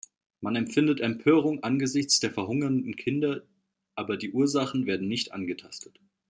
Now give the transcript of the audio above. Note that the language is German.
Man empfindet Empörung angesichts der verhungernden Kinder, aber die Ursachen werden nicht angetastet.